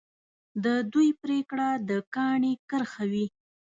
د دوی پرېکړه د کاڼي کرښه وي.